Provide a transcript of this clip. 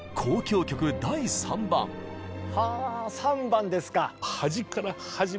はあ「３番」ですか。